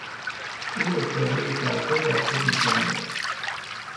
او استعداد سرشاری از خود نشان داد.